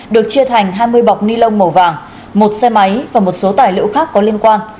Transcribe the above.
được chia thành hai mươi bọc ni lông màu vàng một xe máy và một số tài liệu khác có liên quan